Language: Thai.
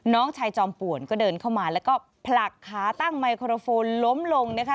น้องชายจอมป่วนก็เดินเข้ามาแล้วก็ผลักขาตั้งไมโครโฟนล้มลงนะคะ